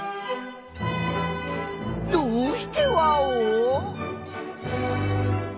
どうしてワオ？